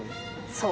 そう。